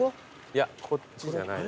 いやこっちじゃない。